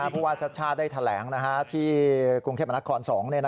เพราะว่าชัดได้แถลงที่กรุงเทพมนตร์ครอล๒